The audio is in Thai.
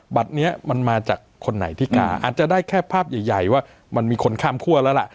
บัตรนี้มันมาจากคนไหนที่กล้าอาจจะได้แค่ภาพใหญ่ว่ามันมีคนข้ามคั่วแล้วล่ะ